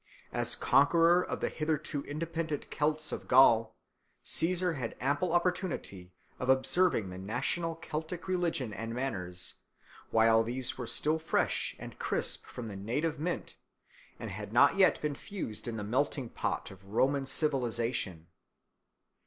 As conqueror of the hitherto independent Celts of Gaul, Caesar had ample opportunity of observing the national Celtic religion and manners, while these were still fresh and crisp from the native mint and had not yet been fused in the melting pot of Roman civilisation.